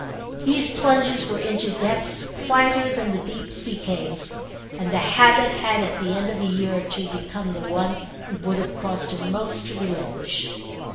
These plunges were into depths quieter than the deep sea caves, and the habit had at the end of a year or two become the one it would have cost him most to relinquish.